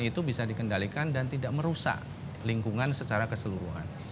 itu bisa dikendalikan dan tidak merusak lingkungan secara keseluruhan